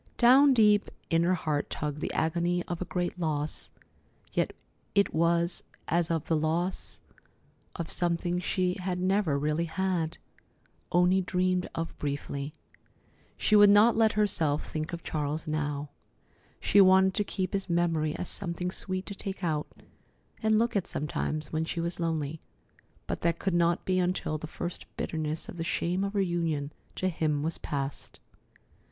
Down deep in her heart tugged the agony of a great loss, yet it was as of the loss of something she had never really had—only dreamed of briefly. She would not let herself think of Charles now. She wanted to keep his memory as something sweet to take out and look at sometimes when she was lonely, but that could not be until the first bitterness of the shame of her union to him was past.